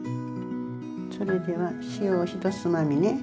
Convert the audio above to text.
それでは塩を１つまみね。